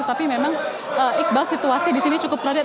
tapi memang iqbal situasi disini cukup radiat